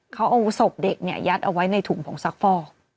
เขาเอาศพเด็กเนี่ยยัดเอาไว้ในถุงผงซักฟอก